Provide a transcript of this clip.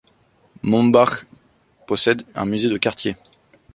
Mombach possède un musée de quartier.